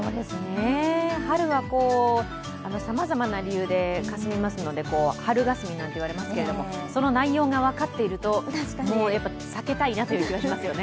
春はさまざまな理由でかすみますので春がすみなんて言われますけど、その内容が分かっているともう避けたいなという気もしますよね。